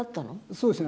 そうですね。